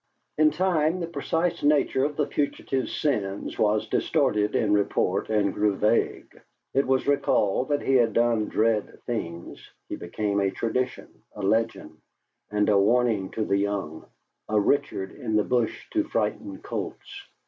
In time the precise nature of the fugitive's sins was distorted in report and grew vague; it was recalled that he had done dread things; he became a tradition, a legend, and a warning to the young; a Richard in the bush to frighten colts.